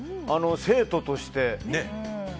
生徒として。